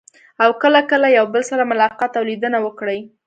او کله کله یو بل سره ملاقات او لیدنه وکړي.